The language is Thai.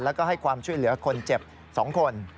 แล้วก็ให้ความช่วยเหลือคนเจ็บ๒คน